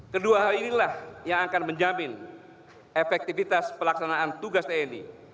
kedua hal inilah yang akan menjamin efektivitas pelaksanaan tugas tni